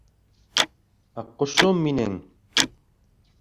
— Аҡҡошом мине-е-ең!